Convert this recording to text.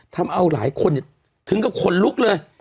ถ้าเอาหลายคนเนี่ยถึงกับคนรุกเลย